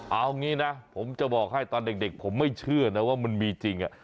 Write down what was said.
เอางี้นะผมจะบอกให้ตอนเด็กผมไม่เชื่อนะว่ามันมีจริง